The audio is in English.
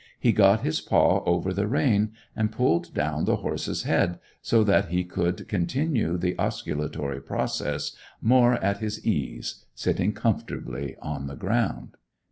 He got his paw over the rein and pulled down the horse's head, so that he could continue the osculatory process more at his ease, sitting comfortably on the ground.